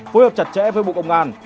phối hợp chặt chẽ với bộ công an